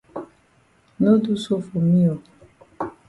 No do so for me oo.